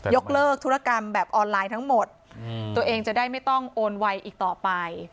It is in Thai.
ยกเลิกธุรกรรมแบบออนไลน์ทั้งหมดตัวเองจะได้ไม่ต้องโอนไวอีกต่อไป